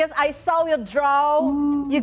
oh terima kasih banyak banyak